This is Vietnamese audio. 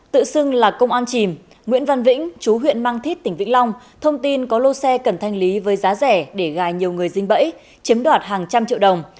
tự xưng là công an chìm nguyễn văn vĩnh chú huyện mang thít tỉnh vĩnh long thông tin có lô xe cần thanh lý với giá rẻ để gài nhiều người dinh bẫy chiếm đoạt hàng trăm triệu đồng